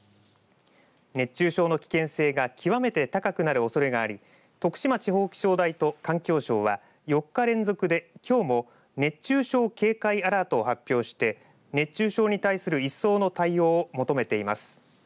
熱中症の危険性が極めて高くなるおそれがあり徳島地方気象台と環境省は４日連続で、きょうも熱中症警戒アラートを発表して熱中症に対する一層の対応を求めています。